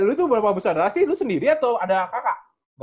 lu itu berapa besar sih lu sendiri atau ada kakak